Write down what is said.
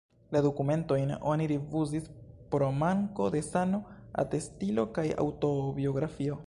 La dokumentojn oni rifuzis pro manko de sano-atestilo kaj aŭtobiografio.